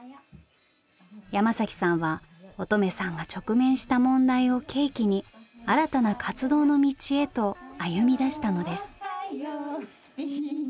山さんは音十愛さんが直面した問題を契機に新たな活動の道へと歩みだしたのです。